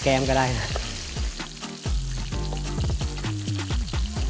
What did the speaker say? สวัสดีครับ